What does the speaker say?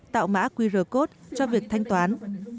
tạo mã qr code cho việc thanh toán